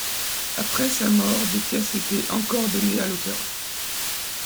Après sa mort des pièces étaient encore données à l’opéra.